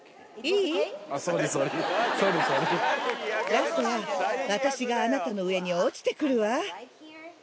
ラストは私があなたの上に落ちてくるわ。